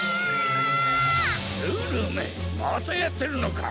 ルルめまたやってるのか！